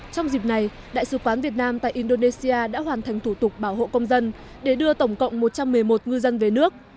trong dịp này đại sứ quán việt nam tại indonesia đã hoàn thành thủ tục bảo hộ công dân để đưa tổng cộng một trăm một mươi một ngư dân về nước